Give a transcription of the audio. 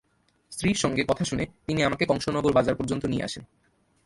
স্ত্রীর সঙ্গে কথা শুনে তিনি আমাকে কংস নগর বাজার পর্যন্ত নিয়ে আসেন।